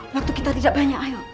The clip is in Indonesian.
waktu kita tidak banyak ayo